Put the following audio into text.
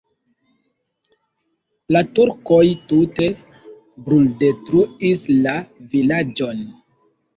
La turkoj tute bruldetruis la vilaĝon.